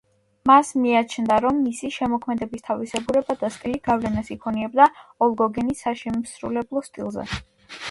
მას მიაჩნდა, რომ მისი შემოქმედების თავისებურება და სტილი გავლენას იქონიებდა ოლ გოგენის საშემსრულებლო სტილზე.